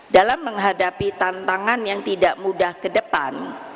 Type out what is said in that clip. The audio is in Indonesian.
dalam menghadapi tantangan yang tidak mudah ke depan